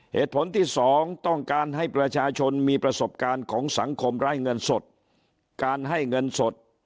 เหตุผลที่สองต้องการให้ประชาชนมีประสบการณ์ของสังคมไร้เงินสดการให้เงินสด